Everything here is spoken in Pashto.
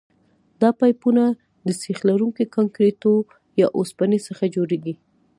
دا پایپونه د سیخ لرونکي کانکریټو یا اوسپنې څخه جوړیږي